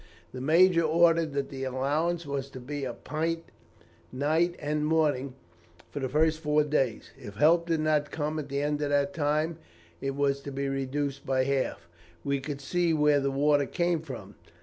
"The major ordered that the allowance was to be a pint night and morning for the first four days. If help did not come at the end of that time, it was to be reduced by half. We could see where the water came from.